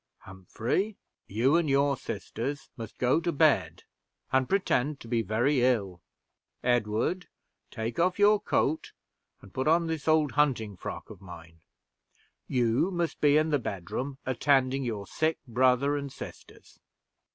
Humphrey, you and your sisters must go to bed, and pretend to be very ill. Edward, take off your coat and put on this old hunting frock of mine. You must be in the bedroom attending your sick brother and sisters.